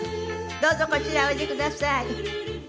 どうぞこちらへおいでください。